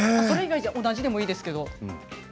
それ以外じゃ同じでもいいですけど。